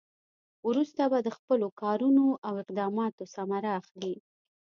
وروسته به د خپلو کارونو او اقداماتو ثمره اخلي.